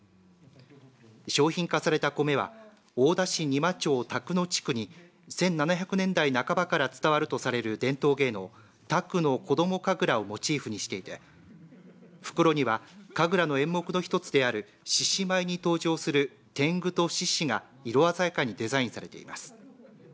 商品化された米は大田市仁摩町宅野地区に１７００年代半ばから伝わるとされる伝統芸能宅野子ども神楽をモチーフにしていて袋には神楽の演目の一つである獅子舞に登場する天狗と獅子が色鮮やかにデザインされています。